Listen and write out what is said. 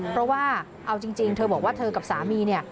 เพราะว่าเอาจริงเธอบอกว่าเธอกับสามีเนี่ย